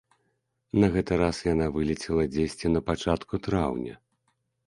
На гэты раз яна вылецела дзесьці на пачатку траўня.